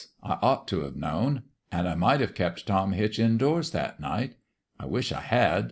I ought to have known. And I might have kept Tom Hitch indoors that night. I wish I had.